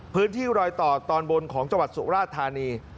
พื้นที่รอยต่อตอนบนของจังหวัดสุราธานี